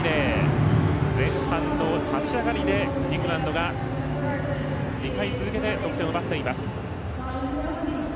前半の立ち上がりでイングランドが２回続けて得点を奪っています。